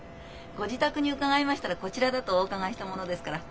ご自宅に伺いましたらこちらだとお伺いしたものですから。